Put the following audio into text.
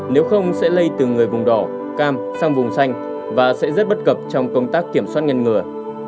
nếu không sẽ lây từ người vùng đỏ cam sang vùng xanh và sẽ rất bất cập trong công tác kiểm soát ngăn ngừa